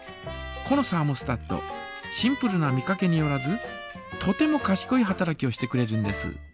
このサーモスタットシンプルな見かけによらずとてもかしこい働きをしてくれるんです。